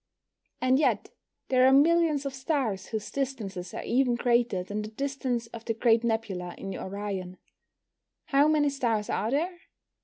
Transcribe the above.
And yet there are millions of stars whose distances are even greater than the distance of the Great Nebula in Orion. How many stars are there?